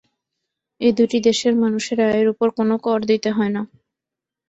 এ দুটি দেশের মানুষের আয়ের ওপর কোনো কর দিতে হয় না।